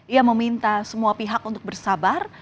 ia meminta semua pihak untuk bersabar